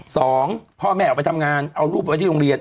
สองพ่อแม่ออกไปทำงานเอารูปไว้ที่โรงเรียน